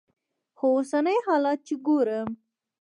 خو اوسني حالات چې ګورم.